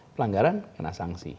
pelanggaran kena sanksi